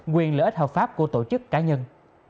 quyền lợi ích hợp pháp của tổ chức cá nhân